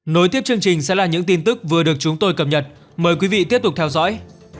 nối tiếp chương trình sẽ là những tin tức vừa được chúng tôi cập nhật mời quý vị tiếp tục theo dõi